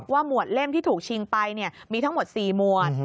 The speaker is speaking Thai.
หมวดเล่มที่ถูกชิงไปมีทั้งหมด๔หมวด